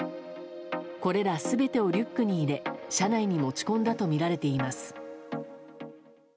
これら全てをリュックに入れ車内に持ち込んだとみられています。